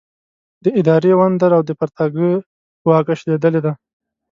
د اداري وندر او د پرتاګه واګه شلېدلې ده.